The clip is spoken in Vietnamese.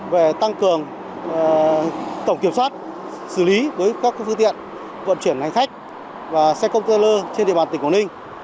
về tăng cường tổng kiểm soát xử lý với các phương tiện vận chuyển hành khách và xe công tơ lơ trên địa bàn tỉnh quảng ninh